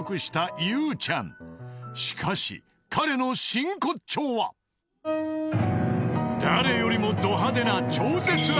［しかし彼の真骨頂は誰よりもど派手な］